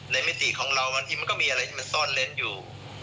ในมิติของเรามันก็มีอะไรมันซ่อนเล่นอยู่